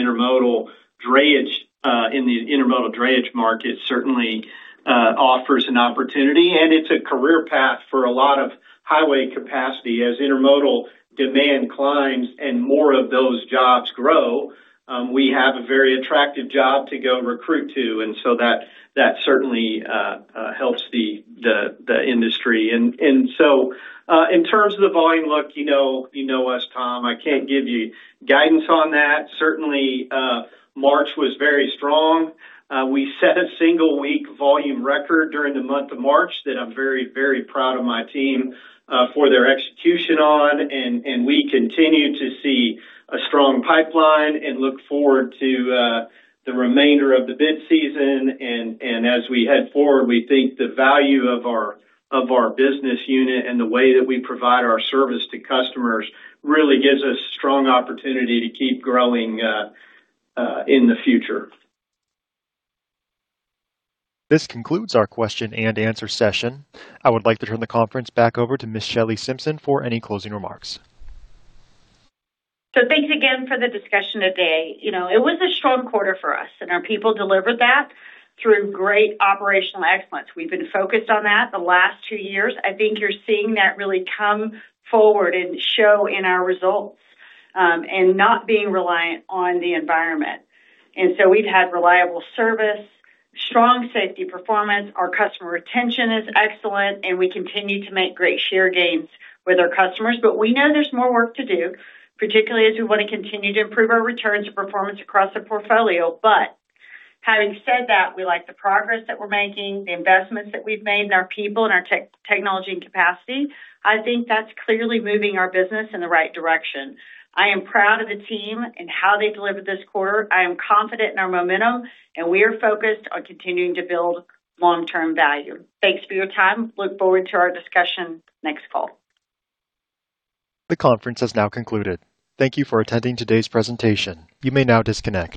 S8: intermodal drayage market certainly offers an opportunity, and it's a career path for a lot of highway capacity as intermodal demand climbs and more of those jobs grow. We have a very attractive job to go recruit to, and so that certainly helps the industry. In terms of the volume outlook, you know us, Tom, I can't give you guidance on that. Certainly, March was very strong. We set a single week volume record during the month of March that I'm very proud of my team for their execution on, and we continue to see a strong pipeline and look forward to the remainder of the bid season. As we head forward, we think the value of our business unit and the way that we provide our service to customers really gives us strong opportunity to keep growing in the future.
S1: This concludes our question and answer session. I would like to turn the conference back over to Ms. Shelley Simpson for any closing remarks.
S3: Thanks again for the discussion today. It was a strong quarter for us, and our people delivered that through great operational excellence. We've been focused on that the last two years. I think you're seeing that really come forward and show in our results, and not being reliant on the environment. We've had reliable service, strong safety performance. Our customer retention is excellent, and we continue to make great share gains with our customers. We know there's more work to do, particularly as we want to continue to improve our returns and performance across the portfolio. Having said that, we like the progress that we're making, the investments that we've made in our people and our technology and capacity. I think that's clearly moving our business in the right direction. I am proud of the team and how they delivered this quarter. I am confident in our momentum, and we are focused on continuing to build long-term value. Thanks for your time. I look forward to our discussion next fall.
S1: The conference has now concluded. Thank you for attending today's presentation. You may now disconnect.